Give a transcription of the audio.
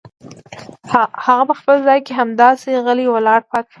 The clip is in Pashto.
هغه په خپل ځای کې همداسې غلې ولاړه پاتې شوه.